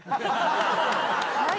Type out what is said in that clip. はい。